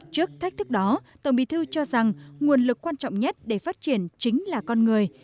trước thách thức đó tổng bí thư cho rằng nguồn lực quan trọng nhất để phát triển chính là con người